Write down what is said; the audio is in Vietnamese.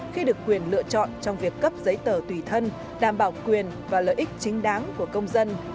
khi được quyền lựa chọn trong việc cấp giấy tờ tùy thân đảm bảo quyền và lợi ích chính đáng của công dân